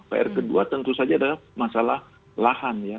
pr kedua tentu saja adalah masalah lahan ya